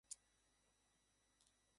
গা শিউরে ওঠা গল্প।